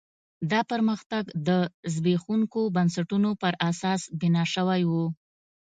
دا پرمختګ د زبېښونکو بنسټونو پر اساس بنا شوی و.